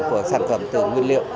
của sản phẩm từ nguyên liệu